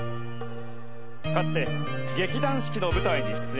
かつて劇団四季の舞台に出演。